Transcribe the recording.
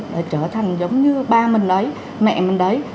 để trở thành giống như ba mình đấy mẹ mình đấy